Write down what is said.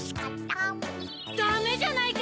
ダメじゃないか！